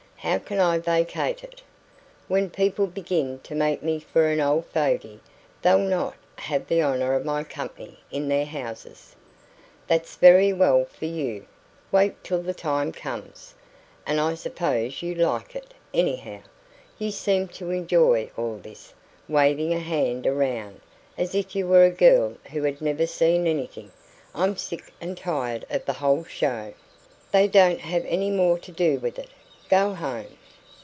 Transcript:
"How can I vacate it?" "When people begin to take me for an old fogey, they'll not have the honour of my company in their houses." "That's very well for you wait till the time comes. And I suppose you like it, anyhow. You seem to enjoy all this" waving a hand around "as if you were a girl who had never seen anything. I'm sick and tired of the whole show." "Then don't have any more to do with it. Go home."